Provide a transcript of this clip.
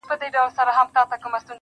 زما خوبـونو پــه واوښـتـل,